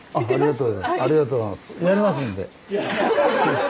ありがとうございます。